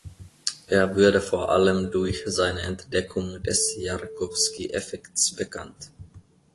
Er wurde vor allem durch seine Entdeckung des Jarkowski-Effekts bekannt.